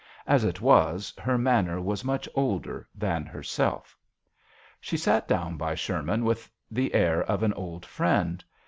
As it was, her manner was much older than herself. She sat down by Sherman with the air of an old friend.